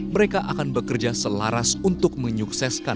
mereka akan bekerja selaras untuk mencapai kepentingan